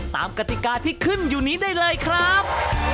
กติกาที่ขึ้นอยู่นี้ได้เลยครับ